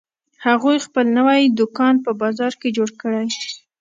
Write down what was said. هغوی خپل نوی دوکان په بازار کې جوړ کړی